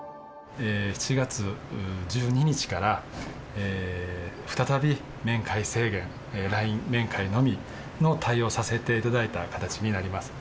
７月１２日から、再び面会制限、ＬＩＮＥ面会のみの対応をさせていただいた形になります。